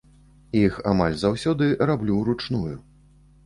Іх амаль заўсёды раблю ўручную.